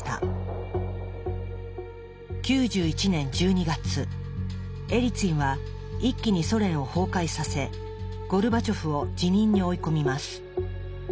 ９１年１２月エリツィンは一気にソ連を崩壊させゴルバチョフを辞任に追い込みます。